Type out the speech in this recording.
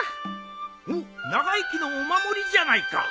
おっ長生きのお守りじゃないか。